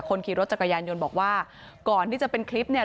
คนขี่รถจักรยานยนต์บอกว่าก่อนที่จะเป็นคลิปเนี่ย